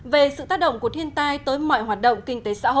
về sự tác động của thiên tai